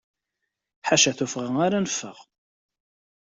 Ḥaca tuffɣa ara neffeɣ.